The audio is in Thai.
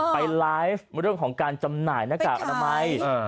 ไปไลฟ์บริเวณของการจำหน่ายหน้ากากอาธิบาย